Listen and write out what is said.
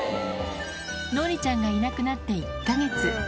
のりちゃんがいなくなって１か月。